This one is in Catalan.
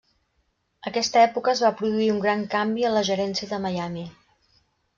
Aquesta època es va produir un gran canvi en la gerència de Miami.